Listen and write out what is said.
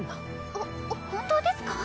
ほ本当ですか？